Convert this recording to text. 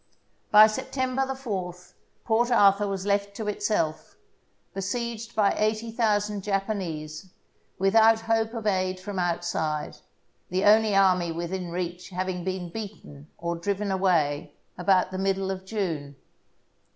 By September 4th Port Arthur was left to itself, be sieged by eighty thousand Japanese, without hope of aid from outside — the only army within reach having been beaten or driven away about the middle of June.